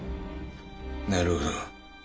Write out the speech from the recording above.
なるほど。